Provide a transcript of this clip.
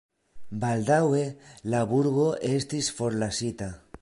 Baldaŭe la burgo estis forlasita.